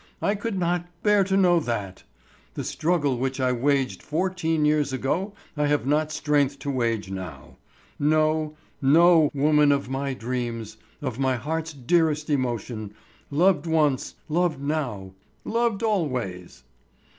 I could not bear to know that! The struggle which I waged fourteen years ago I have not strength to wage now. No! no! woman of my dreams, of my heart's dearest emotion, loved once, loved now, loved always!